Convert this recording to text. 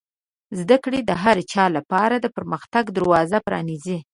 زده کړه د هر چا لپاره د پرمختګ دروازه پرانیزي.